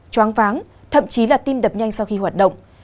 choáng váng thậm chí là tim đập nhanh sau khi hoạt động